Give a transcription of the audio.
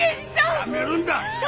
やめるんだ！